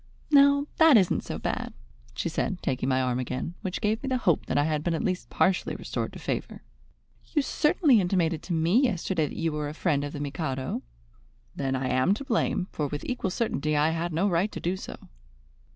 "Now that isn't so bad," she said, taking my arm again, which gave me the hope that I had been at least partially restored to favour. "You certainly intimated to me yesterday that you were a friend of the Mikado." "Then I am to blame; for with equal certainty I had no right to do so."